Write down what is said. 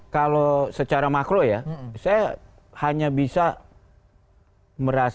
kalau secara makro ya saya hanya bisa merasa bahwa